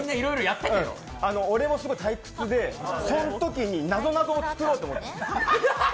俺もすごい退屈で、そのときになぞなぞを作ろうと思って。